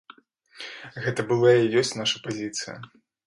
Гэта была і ёсць наша пазіцыя.